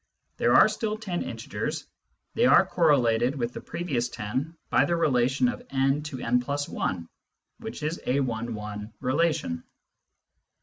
There are still ten integers : they are correlated with the previous ten by the relation of n to «+ i, which is a one one relation.